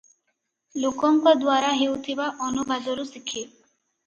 ଲୋକଙ୍କ ଦ୍ୱାରା ହେଉଥିବା ଅନୁବାଦରୁ ଶିଖେ ।